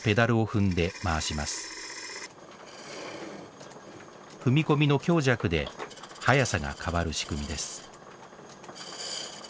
踏み込みの強弱で速さが変わる仕組みです。